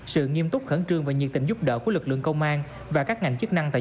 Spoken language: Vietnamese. sự nghiêm túc khẩn trương và nhiệt tình giúp đỡ của lực lượng công an và các ngành chức năng tại